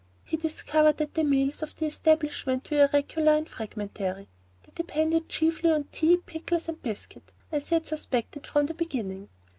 He discovered that the meals of the establishment were irregular and fragmentary. They depended chiefly on tea, pickles, and biscuit, as he had suspected from the beginning.